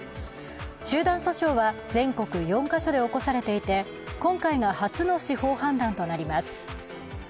集団訴訟は全国４か所で起こされていて、今回が初の司法判断となります。